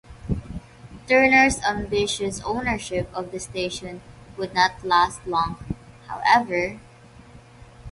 Turner's ambitious ownership of the station would not last long, however.